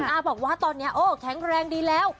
อาบอกว่าตอนนี้โอ้แข็งแรงดีแล้ว